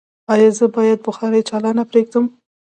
ایا زه باید بخاری چالانه پریږدم؟